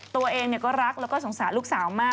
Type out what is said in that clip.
ตัวเองก็รักแล้วก็สงสารลูกสาวมาก